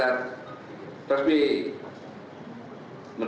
sudah disetujui oleh kasat